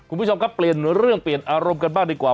คุณผู้ชมครับเปลี่ยนเรื่องเปลี่ยนอารมณ์กันบ้างดีกว่า